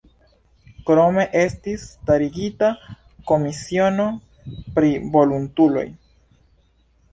Krome estis starigita komisiono pri volontuloj.